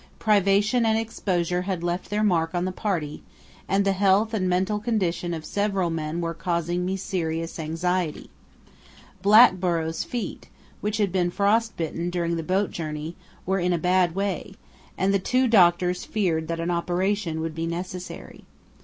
Privation and exposure had left their mark on the party, and the health and mental condition of several men were causing me serious anxiety. Blackborrow's feet, which had been frost bitten during the boat journey, were in a bad way, and the two doctors feared that an operation would be necessary.